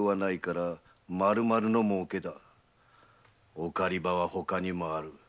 お狩場はほかにもある。